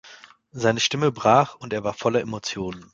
Seine Stimme brach - und war voller Emotionen.